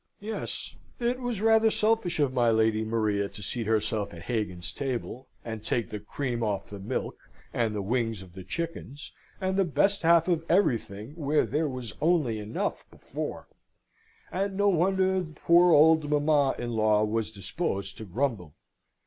Yes: it was rather selfish of my Lady Maria to seat herself at Hagan's table and take the cream off the milk, and the wings of the chickens, and the best half of everything where there was only enough before; and no wonder the poor old mamma in law was disposed to grumble.